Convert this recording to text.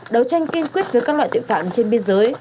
đấu tranh kiên quyết với các loại tội phạm trên biên giới